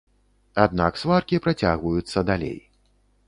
Аднак сваркі працягваюцца далей.